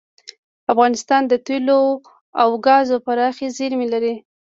افغانستان د تیلو او ګازو پراخې زیرمې لري.